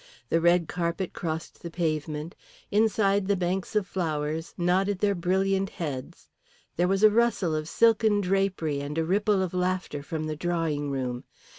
The red carpet crossed the pavement; inside the banks of flowers nodded their brilliant heads, there was a rustle of silken drapery and a ripple of laughter from the drawing room.